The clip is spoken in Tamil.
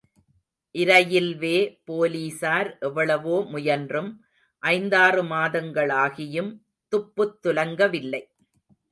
இரயில்வே போலீசார் எவ்வளவோ முயன்றும் ஐந்தாறு மாதங்களாகியும் துப்புத் துலங்கவில்லை.